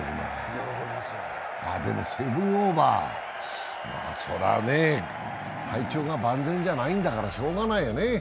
７オーバー、それは体調が万全じゃないんだからしょうがないよね。